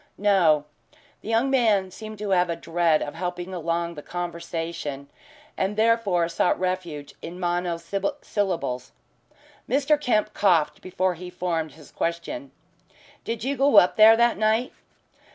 "No." The young man seemed to have a dread of helping along the conversation, and therefore sought refuge in monosyllables. Mr. Kemp coughed before he formed his question. "Did you go up there that night?"